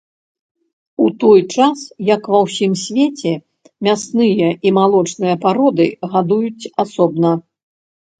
У той час як ва ўсім свеце мясныя і малочныя пароды гадуюць асобна.